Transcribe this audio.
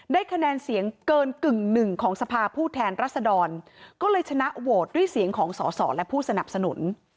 คะแนนเสียงเกินกึ่งหนึ่งของสภาผู้แทนรัศดรก็เลยชนะโหวตด้วยเสียงของสอสอและผู้สนับสนุน